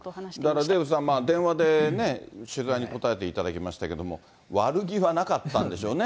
だからデーブさん、電話でね、取材に答えていただきましたけれども、悪気はなかったんでしょうね。